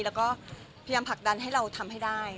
แล้วก็พยายามผลักดันให้เราทำให้ได้